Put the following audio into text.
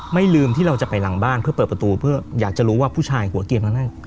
ลืมที่เราจะไปหลังบ้านเพื่อเปิดประตูเพื่ออยากจะรู้ว่าผู้ชายหัวเกียงนั้น